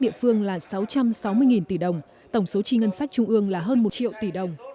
địa phương là sáu trăm sáu mươi tỷ đồng tổng số chi ngân sách trung ương là hơn một triệu tỷ đồng